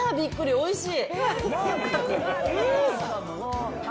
おいしい。